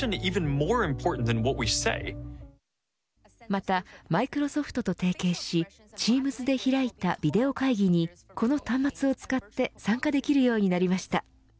またマイクロソフトと提携しＴｅａｍｓで開いたビデオ会議にこの端末を使って参加できるようになりました。